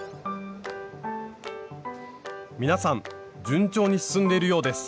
皆さん順調に進んでいるようです